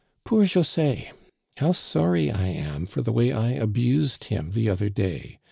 Poor José ! How sorry I am for the way I abused him the other day.